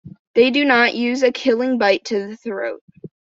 They do not use a killing bite to the throat.